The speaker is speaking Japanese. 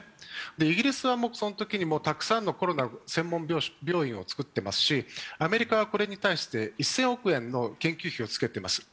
イギリスは、そのときにたくさんのコロナ専門病床をつくってますしアメリカはこれに対して１０００億円の研究費をつけています。